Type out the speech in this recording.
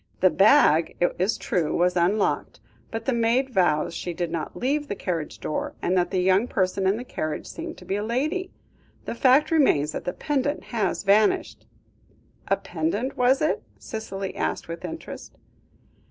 The bag, it is true, was unlocked, but the maid vows she did not leave the carriage door, and that the young person in the carriage seemed to be a lady. The fact remains that the pendant has vanished." "A pendant, was it?" Cicely asked with interest.